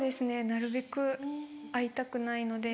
なるべく会いたくないので。